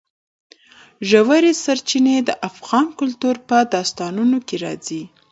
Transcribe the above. ژورې سرچینې د افغان کلتور په داستانونو کې راځي.